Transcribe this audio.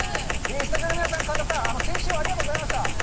スタジオの皆さん、神田さん、先週はありがとうございました。